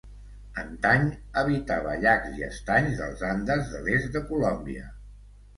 Antany habitava llacs i estanys dels Andes de l'est de Colòmbia.